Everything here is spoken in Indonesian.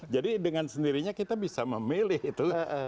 jadi dengan sendirinya kita bisa memilih itu